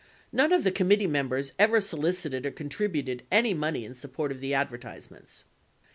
70 None of the committee members ever solicited or contributed any money in support of the advertisements.